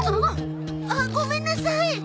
わっ！ああごめんなさい！